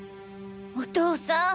お父さん。